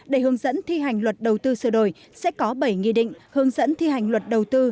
để hướng dẫn thi hành luật đầu tư sửa đổi sẽ có bảy nghị định hướng dẫn thi hành luật đầu tư